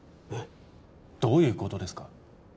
どういうことですか？